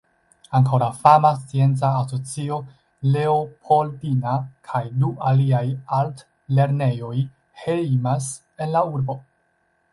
Ankaŭ la fama scienca asocio Leopoldina kaj du aliaj altlernejoj hejmas en la urbo.